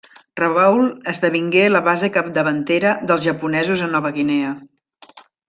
Rabaul esdevingué la base capdavantera dels japonesos a Nova Guinea.